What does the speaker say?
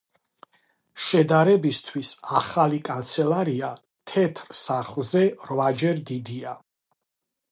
შედარებისთვის, ახალი კანცელარია თეთრ სახლზე რვაჯერ დიდია.